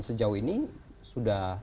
sejauh ini sudah